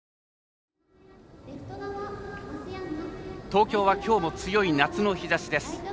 東京は、きょうも強い夏の日ざしです。